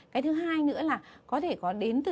cái thứ hai nữa là có thể có đến từ